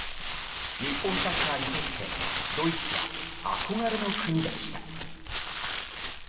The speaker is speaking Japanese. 日本サッカーにとってドイツは憧れの国でした。